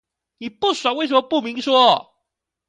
你不爽為什麼不明說？